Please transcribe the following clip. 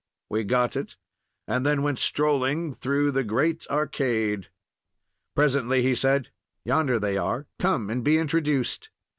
We got it, and then went strolling through the great arcade. Presently he said, "Yonder they are; come and be introduced."